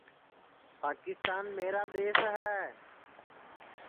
پاکِستان میرا دؔیس ہے